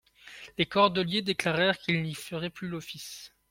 Les cordeliers déclarèrent qu'ils n'y feraient plus l'office.